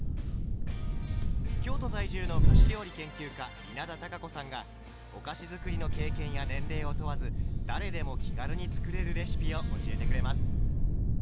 京都在住の菓子料理研究家稲田多佳子さんがお菓子づくりの経験や年齢を問わず誰でも気軽に作れるレシピを教えてくれます。